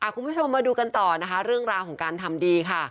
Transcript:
คุณผู้ชมมาดูกันต่อนะคะเรื่องราวของการทำดีค่ะ